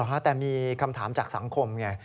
แต่มีคำถามจากสังคมไง